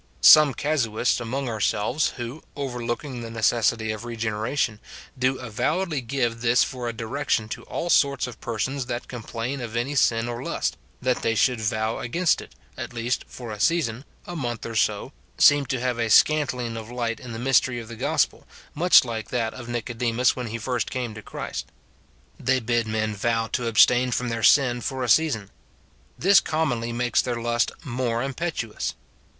Some casuists among ourselves, who, overlooking the necessity of regeneration, do avowedly give this for a direction to all sorts of persons that complain of any sin or lust, that they should vow against it, at least for a season, a month or so, seem to have a scantling of light in the mystery of the gospel, much like that of Nico demus when he came first to Christ. They bid men vow to abstain from their sin for a season. This commonly makes their lust more impetuous.